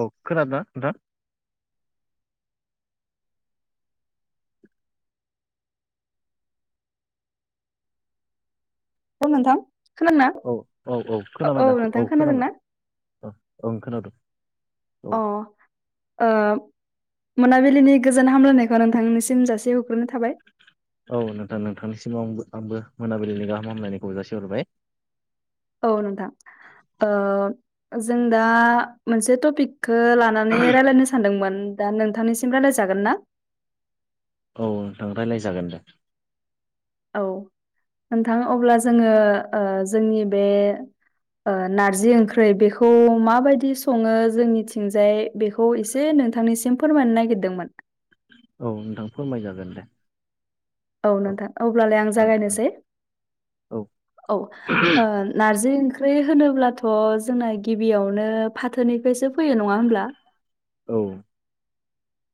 अ खोनादोना नोंथां? अ नोंथां। खोनादोंना औ औ औ खोनाबाय दासो नोंथां औ खोनादोंना खोनाबाय औ ओं खोनादों। औ अ। ओ मोनाबिलिनि गोजोन हामलायनायखौ नोंथांनिसिम जासिहरग्रोनाय थाबाय। औ नोंथां नोंथांनिसिमाव आंबो आंबो मोनाबिलिनि गाहाम हामलायनायखौ जासिहरबाय। औ नोंथां ओ जों दा मोनसे टपिक खो लानानै रायलायनो सानदोंमोन दा नोंथांनिसिम रायलायजागोन ना? औ नोंथां रायलायजागोन दे। औ नोंथां अब्ला जोङो ओ जोंनि बे ओ नारजि ओंख्रै बेखौ माबायदि सङो जोंनिथिंजाय बेखौ एसे नोंथांनिसिम फोरमायनो नागिरदोंमोन? औ नोंथां फोरमाय जागोन दे। औ नोंथां अब्लालाय आं जागायनोसै। औव औव नारजि ओंख्रि होनोब्लाथ' जोंना गिबियावनो फाथोनिफ्रायसो फैयो नंङा होमब्ला? औ उम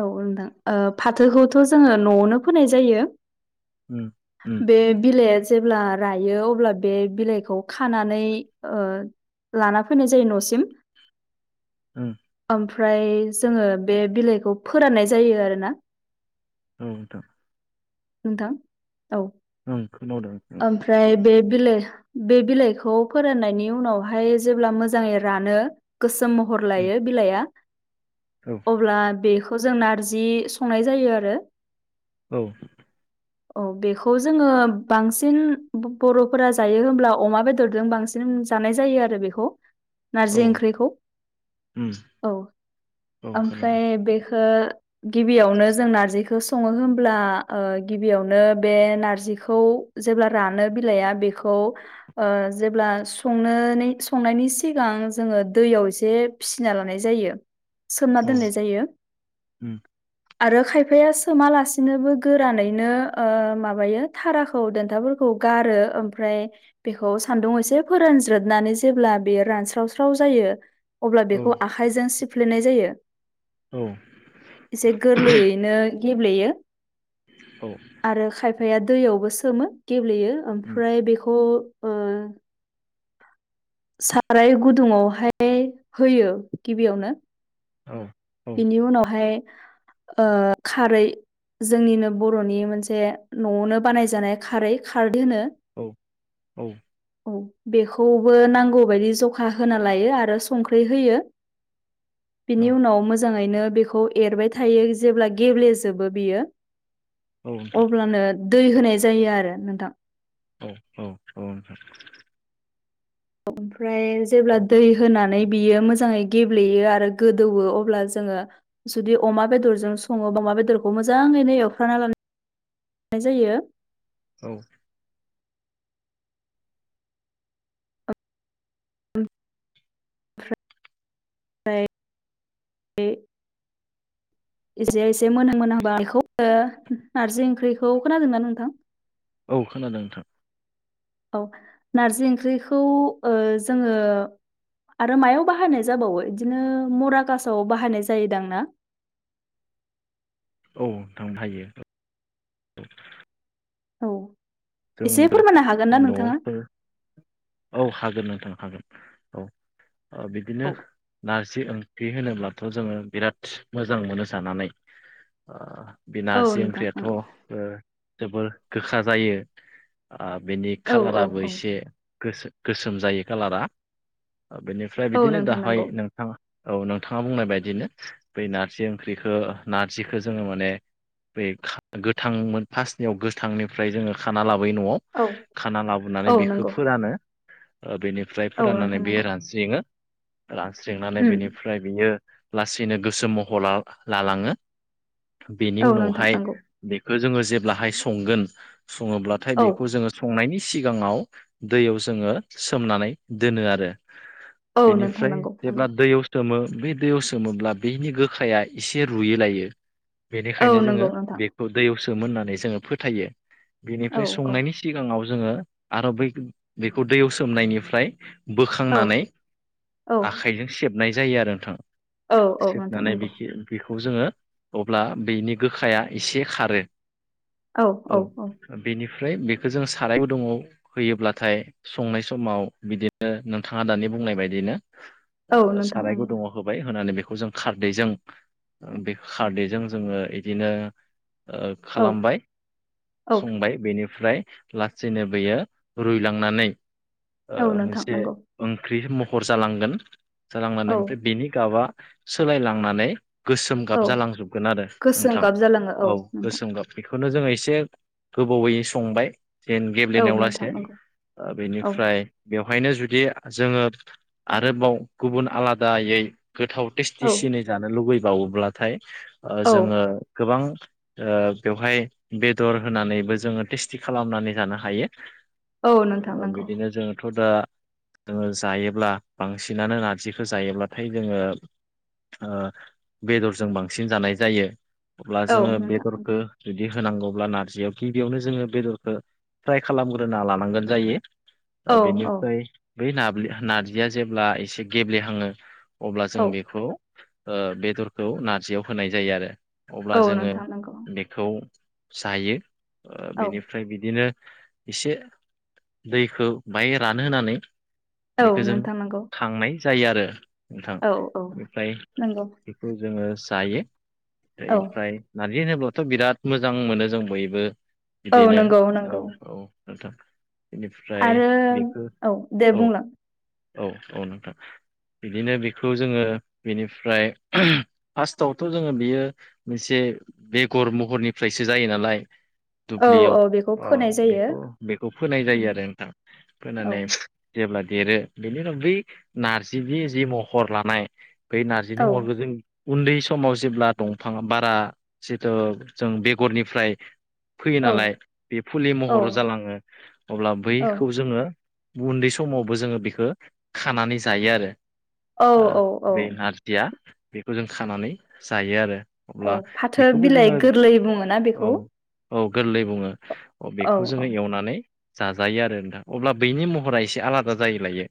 औ होनदां फाथोखौथ' जोंङो न'आवनो फोनाय जायो। [unintelligible] बे बिलाइआ जेब्ला रायो अब्ला बे बिलाइखौ खानानै लाना फैनाय जायो न'सिम औ ओमफ्राय जोंङो बे बिलाइखौ फोराननाय जायो आरो ना। औ दं। नोंथां औ ओं खोनादों उम ओमफ्राय बे बिलाइ बे बिलाइखौ फोराननायनि उनावहाय जेब्ला मोजांङै रानो। गोसोम महर लायो बिलाइआ उम औ अब्ला बेखौ? बे खौ जों नारजि संनाय जायो। आरो औ औ बेखौ जोंङो बांसिन बर'फोरा जायो हब्ला अमा बेदरजों बांसिन बिनो जानाय जायो आरो बेखौ नारजि ओंख्रिखौ। उम औ औ खोनादों ओमफ्राय बेखो। गिबियावनो जों नारजिखौ संङो होनब्ला। गिबियावनो बे नारजिखौ जेब्ला रानो बिलाइया बेखौ जेब्ला सं संनायनि सिगां जोंङो दैयाव एसे फिसिना लानाय जायो। [unintelligible] सोमना दोननाय जायो। उम आरो खायफाया सोमालासिनोबो गोरानैनो माबायो थाराखौ देन्थाफोरखौ गारो ओमफ्राय बेखौ सान्दुं एसे फोरानज्रोबनानै जेब्ला बेयो रानस्रावस्राव जायो। अब्ला औ बेखौ आखाइजों सिफ्लेनाय जायो। औव एसे गोरलैयैनो गेब्लेयो। औव आरो खायफाया दैयावबो सोमो गेब्लेयो उम ओमफ्राय बेखौ ओ साराय गुदुंङावहाय होयो गिबियावनो औ। बिनि उनावहाय ओ खारै जोंनिनो बर'नि मोनसे न'आवनो बानायजानाय खारै खारदै होनो। औ औ- औ बेखौबो नां- गौ बायदि जखा होना लायो आरो संख्रि होयो। बिनि उनाव मोजांङैनो बेखौ एरबाय थायो जेब्ला गेब्लेजोबो बियो नोंथां अब्लानो दै होनाय जायो। आरो नोंथां। औ औ औ नोंथां? ओमफ्राय जेब्ला औ दै। होनानै बियो मोजांङै गेब्लेयो आरो गोदौवो अब्ला जोंङो जुदि अमा बेदरजों संङो बा अमा बेदरखौ मोजांङैनो एवफ्राना ला- नाय जायो। औव ओमफ्राय एसे एसे मोनहां मोनहांबा बेखौ नारजि ओंख्रिखौ खोनादोंना नोंथां? औ खोनादों नोंथां औ नारजि ओंख्रिखौ ओ जोङो आरो मायाव बाहायनाय जाबावो बिदिनो मराकासाव बाहायनाय जायो दां ना? औ थांनो हायो औ एसे जोंफोर फोरमायनो हागोन ना नोंथाङा? न'फोर औ हागोन नोंथां हागोन औ बिदिनो नारजि ओं खि होनोब्लाथ' जोङो बिराद मोजां मोनो जानानै ओ बे औ नारजि नोंथां ओंख्रियाथ' नंगौ ओ जोबोर गोखा जायो ओ बेनि औ औ खालाराबो औ एसे गोसो-गोसोम जायो कालारा बेनि ओमफ्राय औ बिदिनो नोंथां दाहाय नंगौ नों थाङा औ नोंथाङा बुंनाय बायदिनो बै नारजि ओंख्रिखौ नारजिखौ जोङो माने बे खा गोथांमोन फास्टनियाव गोथांनिफ्राय जोङो खाना लाबोयो न'आव औ खाना लाबोनानै औ बेखौ नंगौ फोरानो बेनिफ्राय औ फोराननानै नोंथां बेयो नंगौ रानस्रिङो रानस्रिंनानै उम बेनिफ्राय ओमफ्राय बियो लासैनो गोसो महर लालाङो बेनि औ नोंथां उनावहाय नंगौ बेखौ जोङो जेब्लाहाय संगोन सङोब्लाथाय औ बेखौ जोङो संनायनि सिगाङाव दैयाव जोङो सोमनानै दोनो आरो औ नोंथां बेनिफ्राय नंगौ नंगौ जेब्ला दैयाव सोमो बे दैयाव सोमोब्ला बेनि गोखाया एसे रुयै लायो। बेनिखायनो औ जोङो नंगौ नोंथां बेखौ दैयाव सोमोननानै जोङो फोथायो। औ बेनिफ्राय औ संनायनि सिगाङाव जोङो आरो बै बेखौ दैयाव सोमनायनिफ्राय औ बोखांनानै औ आखाइजों सेबनाय जायो आरो नोंथां औ औ नोंथां सेबनानै नंगौ बेखि बेखौ जोङो अब्ला बिनि गोखाया एसे खारो औ औ औ बेनिफ्राय बेखौ जों सारायबो गुदुङाव होयोब्लाथाय संनाय समाव बिदिनो नोंथाङा दानि बुंनाय बायदिनो औ ओ नोंथां साराय नंगौ गुदुङाव होबाय होनानै बेखौ जों खारदैजों बे खारदैजों जोङो इदिनो ओ औ खालामबाय औ संबाय बेनिफ्राय लासैनो बेयो रुइलांनानै ओ औ नोंथां मोनसे नंगौ ओंख्रि महर जालांगोन जालांनानै औ ओमफ्राय बिनि गाबआ सोलायलांनानै गोसोम औ गाब जालांजोबगोन आरो गोसोम नोंथां गाब जालाङो औ नोंथां गोसोम गाब बेखौनो जोङो एसे गोबावै संबाय जेन औ गेब्लेनायाव नोंथां लासे नंगौ ओ औ बेनिफ्राय बेवहायनो जुदि जोङो आरोबाव गुबुन आलादायै गोथाव सिटि औ सिनै जानो लुुबैबावोब्लाथाय औ जोङो गोबां ओ बेवहाय बेदर होनानैबो जोङो टेस्टि खालामनानै जानो हायो औ नोंथां ओ नंगौ बिदिनो जोंथ' दा जोङो जायोब्ला बांसिनानो नारजिखौ जायोब्लाथाय जोङो ओ बेदरजों बांसिन जानाय जायो अब्ला औ जोङो नोंथां नंगौ बेदरखौ जुदि होनांगौब्ला नारजियाव गिबियावनो जोङो बेदरखौ फ्राय खालामग्रोना लानांगोन जायो औ औ बेनिफ्राय बै नाबली नार्जिया जेब्ला एसे गेब्लेहाङो अब्ला जों औ बेखौ ओ बेदरखौ नारजियाव होनाय जायो आरो अब्ला औ जोङो नोंथां नंगौ बेखौ जायो औ बेनिफ्राय बिदिनो एसे दैखौ बाय रानहोनानै औ बेखौ जों नोंथां नंगौ खांनाय जायो आरो नोंथां औ औ ओमफ्राय नंगौ खौ जोङो जायो औ ओमफ्राय नारजि होनोब्लाथ' बिराद मो मोजां मोनो जों बयबो औ बिदिनो नंगौ औ नंगौ औ नोंथां बेनिफ्राय आरो बेखौ औ दे औ बुंलां औ औ नोंथां। बिदिनो बेखौ जोङो बेनिफ्राय फार्स्टआवथ' जोङो बियो मोसे बेगर महरनिफ्रायसो जायो नालाय। औ दुब्लियाव औ बेखौ अ फोनाय जायो बेखौ बेखौ फोनाय जायो आरो नोंथां औ फोनानै जेब्ला देरो बेनि उनाव बै नारजिनि जि महर लानाय बै नारजिनि औ महरखौ जों उन्दै समाव जेब्ला दंफां बारा जिथु जों बेगरनिफ्राय फैयो औ नालाय बे फुलि महर जालाङो अब्ला औ बैखौ जोङो उन्दै समावबो जोङो बेखो खानानै जायो आरो ओ औ औ बे आर दिया बेखौ जों खानानै जायो आरो। औ अब्ला फाथो बेखौबो बिलाइ जोङो गोरलै बुङो ना औ बेखौ। औ गोरलै बुङो औ बेखौ जोङो एवनानै जाजायो आरो नोंथां अब्ला बैनि महरा एसे आलादा जायो लायो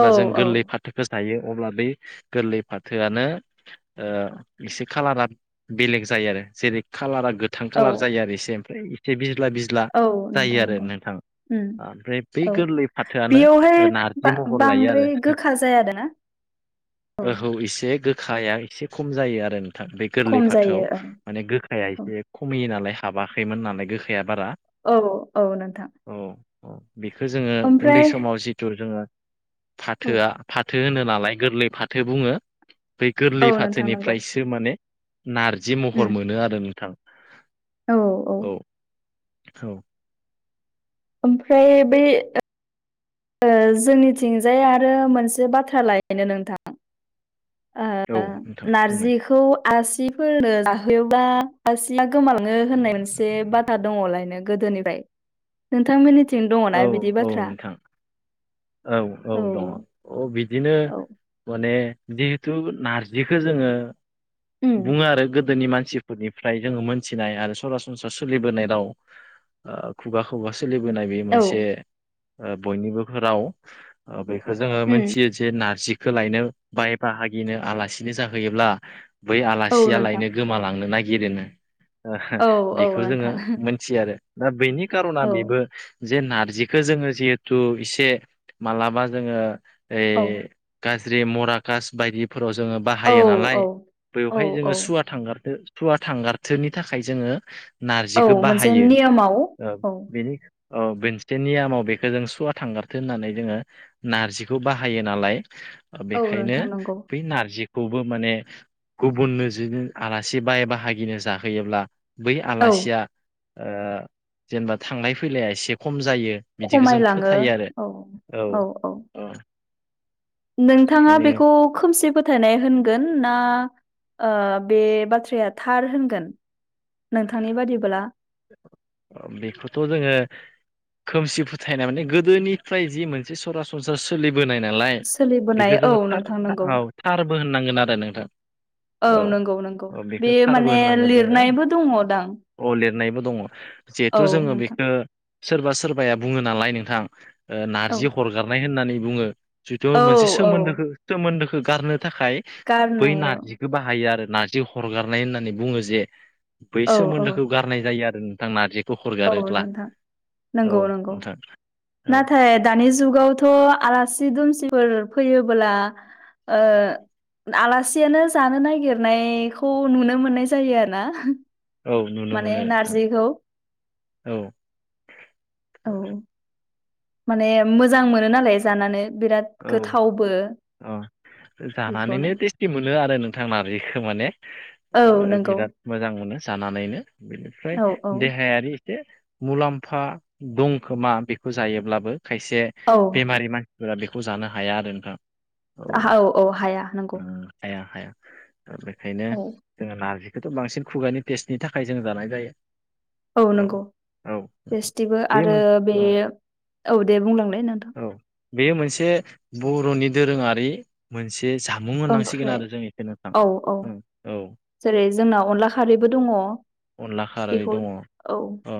औ जों औ गोरलै फाथ होजायो अब्ला बै गोरलै फाथोआनो ओ एसे खाालारा बेलेग जायो आरो जेरै कालारा गोथां औ कालार जायो आरो एसे ओमफ्राय इसे बिज्ला बिज्ला औ जायो नोंथां आरो नंगौ नोंथां। उम ओमफ्राय बै औ गोरलै फाथोआनो बेयावहाय नारजि महर लायो आरो। बा-बांद्राय गोखा जायादाना औ ओहौ एसे गोखाया एसे खम जायो आरो नोंथां बे गोरलै खम फाथोआव जायो माने गोख औ [unintelligible] औ औ नोंथां। औ औ बेखो जोङो उन्दै ओमफ्राय समाव जिथु जोङो औ फाथोआ फाथो होनो नालाय गोरलै फाथो बुङो बै औ गोरलै नोंथां नंगौ फाथोनिफ्रायसो माने नारजि महर उम मोनो आरो नोंथां औ औ। ओमफ्राय बे ओ जोंनिथिंजाय आरो मोनसे बाथ्रा लायनो नोंथां। औ ओ नोंथां बुंनाय नारजिखौ आलासिफोरनो जाहोयोबा आलसिया गोमालाङो होननाय मोनसे बाथ दा दङलायनो गोदोनिफ्राय नोंथांमोननिथिं दङना औ बिदि औ बाथ्रा? नोंथां औ औ दङ अ बिदिनो औ माने जिहेथु नारजिखौ जोङो उम बुङो आरो गोदोनि मानसिफ फोर निफ्राय जोङो मोनथिनाय आरो सरासनस्रा सोलिबोनाय राव। ओ खुगा खुगा सोलिबोनाय बे औ से ओ बयनिबो राव बेखौ जोङो उम मिथियो जे नारजिखो लायनो बाय बाहागिनो आलासिनो जाहैयोब्ला बै औ आलासिया नोंथां लायनो गोमालांनो नागिरो नो। ओ औ औ बेखौ जोङो नोंथां मोनथियो आरो दा बेनि खार'ना औ बेबो जे नारजिखो जोङो जिहेथु एसे मा्लाबा जोङो ओ औ गाज्रि मराकास बायदिफोराव जोङो औ बाहायो औ नालाय औ बेवहाय जोङो औ सुवा थांगारथो सुवा थांगारथोनि थाखाय जोङो औ नारजिखो मोनसे बाहायो नियमाव औ बेनिख ओ बोन नियमाव बेखौ जों सुवा थांगारथो होननानै जोङो नारजिखौ बाहायो नालाय औ बेखायनो नोंथां नंगौ बै नारजि खौबो माने गुबुननो ज आलासि बाय बााहागिनो जाहोयोब्ला बै औ आलासिया जेनेबा थांलाय फैलाया एसे खम जायो। बिदिखौ जों खमायलाङो फोथायो आरो औ औ औ। नोंथाङा बेखायनो बेखौ खोमसे फोथ फोथायनाय होनगोन ना ओ बे बाथ्राया थार होनगोन। नोंथांनि बादिब्ला। बेखौथ' जोङो खोमसि फोथायनाय माने गोदोनिफ्राय जि मोनसे सरासन संसाराव सोलिबोनाय नालाय। सोलिबोनाय बेखौ औ जोङो नोंथां नंगौ औ थारबो होननांगोन आरो नोंथां औ नंगौ नंगौ। ओ बेखौ बे थारबो माने होननांगोन जोङो लिरनायबो दङदां अ लिरनायबो दङ औ जिहेथु जोङो नोंथां बेखौ सोरबा सोरबाया बुङो नालाय नोंथां ओ औ नार्जि हरगारनाय होननानै बुङो। जिहुथु औ मोनसे औ सोमोन्दोखौ सोमोन्दोखौ गारनो थाखाय बै गारनाय औ नारजिखौ बाहायो आरो नारजि हरगारनाय होननानै बुङो जे बै औ औ सोमोन्दोखौ गारनाय जायो आरो नोंथां नारजि औ दखरगारोब्ला नोंथां औ नंगौ नंगौ नोंथां औ नाथाय दानि जुगावथ' आलासि दुमसिफोर फैयोब्ला ओ आलासियानो जानो नागिरनायखौ नुनो मोननाय जायो आरो ना। औ नुनो माने मोनो नोंथां नारजिखौ औ औ माने मोजां मोनो नालाय जानानै बिराद औ गोथावबो औ जानानैनो बेखौनो [unintelligible] मोनो आरो नोंथां नारजिखौ माने औ ओ नंगौ बिराद मोजां मोनो जानानैनो बेनिफ्राय औ औ देहायारि मुलाम्फा दंखोमा बेखौ जायोब्लाबो खायसे औ बेमारि मान नारजिखौ जानो हाया आरो नोंथां। औ औ हाया नंगौ उम हाया हाया दा बेखायनो जोङो नारजिखौथ' बांसिन खुगानि टेस्टनि थाखाय जों जानाय जायो औ नंगौ औ नोंथां टेस्टिबो बे आरो मोनसे बे औ दे बुंलांलाय नोंथां। औ बेयो मोनसे बर'नि दोरोङारि मोनसे जामुं होननांसिगोन ओंख्रै आरो जों एसे नोथां औ औ जेरै जोंना अनला खारैबो दङ अनला खारै बेखौ दङ औ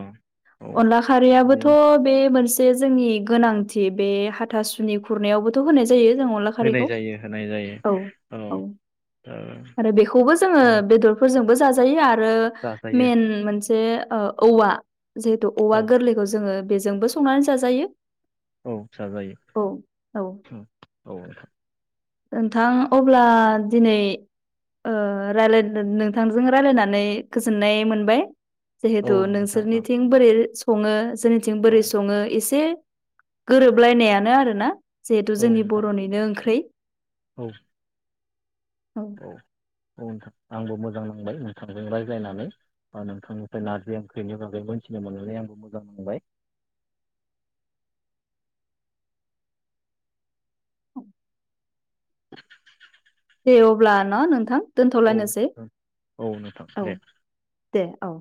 औ अनला बिदिनो खारियाबोथ' बे मोन से जोंनि गोनांथि बे हाथासुनि खुरनायावबोथ' होनाय जायो जों अनला होनाय खारैखौ जायो। होनाय औ जायो। औ औ फोरजोंबो जाजायो आरो जाजायो मेन मोनसे ओ औवा जिहेथु औवा औ गोरलै खौ जोङो बेजोंबो संनानै जाजायो औ जा जायो औ औ औ नोंथां अब्ला दिनै ओ रायलाय नोंथांजों रायलायनानै गोजोननाय मोनबाय जिहेथु औ नोंथां औ नोंथां नोंसोरनिथिं बोरै सङो जोंनिथिं औ बोरै सङो एसे गोरोबलायनायानो आरोना जिहेथु औ जोंनि नोंथां बर'निनो ओंख्रै। औ औ औ नोंथां। आंबो मोजां नांबाय नोंथांजों रायलायनानै। बा नोंथांनिफ्राय नारजि ओंख्रिनि बागै मोनथिनो मोननानै आंबो मोजां मोनबाय। औ [unintelligible] दे अब्ला न' नोंथां औ दोनथ'लायनोसै। औ नोंथां औ दे दे औ।